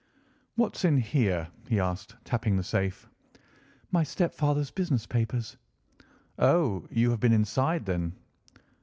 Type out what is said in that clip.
"What's in here?" he asked, tapping the safe. "My stepfather's business papers." "Oh! you have seen inside, then?"